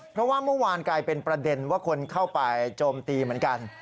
เพราะว่าเมื่อวานกลายเป็นประเด็นว่าคนเข้าไปโจมตีเหมือนกัน